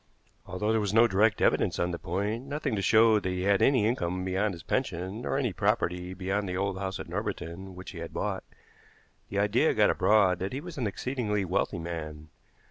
Although there was no direct evidence on the point, nothing to show that he had any income beyond his pension, nor any property beyond the old house at Norbiton which he had bought, the idea got abroad that he was an exceedingly wealthy man.